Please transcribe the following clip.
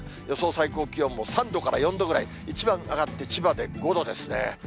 予想最高気温も、３度から４度ぐらい、一番上がって千葉で５度ですね。